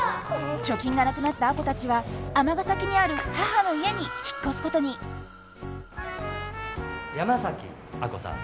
貯金がなくなった亜子たちは尼崎にある母の家に引っ越すことに山崎亜子さん。